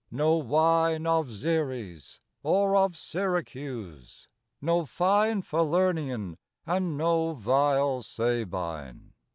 No wine of Xeres or of Syracuse! No fine Falernian and no vile Sabine!